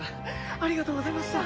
ありがとうございます！